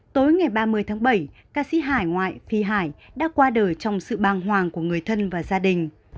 tối ngày ba mươi tháng bảy ca sĩ hải ngoại phi hải đã qua đời trong sự băng hoàng của người thân và gia đình